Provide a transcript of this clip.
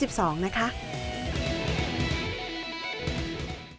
โปรดติดตามตอนต่อไป